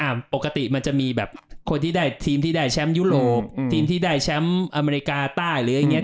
ปกติมันจะมีแบบคนที่ได้ทีมที่ได้แชมป์ยุโรปอืมทีมที่ได้แชมป์อเมริกาใต้หรืออะไรอย่างเงี้